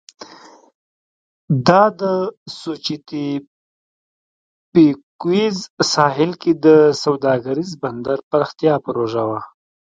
دا د سوچیتپیکویز ساحل کې د سوداګریز بندر پراختیا پروژه وه.